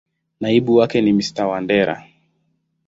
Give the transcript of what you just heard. Naibu wake ni Mr.Wandera.